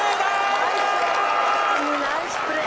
ナイスプレー。